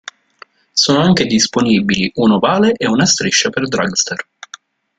Sono anche disponibili un ovale e una striscia per dragster.